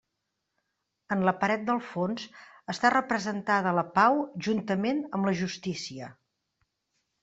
En la paret del fons està representada la Pau juntament amb la Justícia.